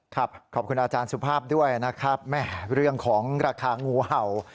ขอบคุณอาจารย์สุภาพด้วยนะครับแม่เรื่องของราคางูเห่า